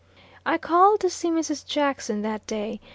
I called to see Mrs. Jackson that day.